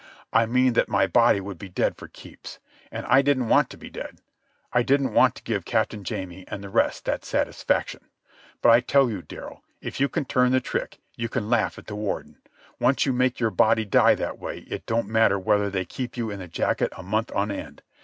I mean that my body would be dead for keeps. And I didn't want it to be dead. I didn't want to give Captain Jamie and the rest that satisfaction. But I tell you, Darrell, if you can turn the trick you can laugh at the Warden. Once you make your body die that way it don't matter whether they keep you in the jacket a month on end.